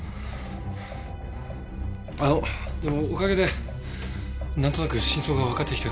あのでもおかげでなんとなく真相がわかってきたような気がする。